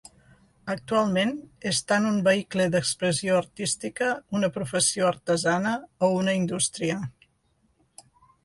Actualment és tant un vehicle d'expressió artística, una professió artesana o una indústria.